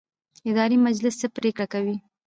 اداري مجلس څه پریکړې کوي؟